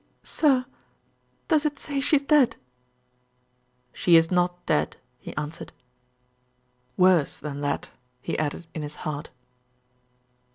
"Sir, does it say she's dead?" "She is not dead," he answered. "Worse than that," he added in his heart.